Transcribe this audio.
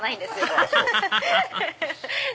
ハハハハ！